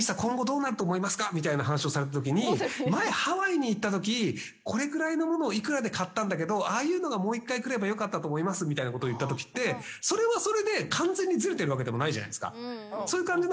みたいな話をされたときに前ハワイに行ったときこれくらいのものを幾らで買ったんだけどああいうのがもう一回くればよかったと思いますみたいなこと言ったときってそれはそれで完全にずれてるわけでもないじゃないですか。